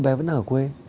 cô bé vẫn đang ở quê